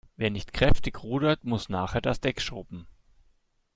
Wer nicht kräftig rudert, muss nachher das Deck schrubben.